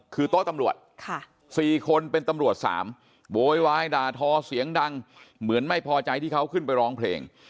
คือโต๊ะตำรวจ๔คนเป็นตำรวจ๓โวยวายด่าทอเสียงดังเหมือนไม่พอใจที่เขาขึ้นไปร้องเพลง